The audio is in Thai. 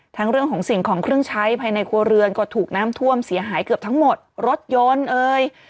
เรื่องของสิ่งของเครื่องใช้ภายในครัวเรือนก็ถูกน้ำท่วมเสียหายเกือบทั้งหมดรถยนต์เอ่ย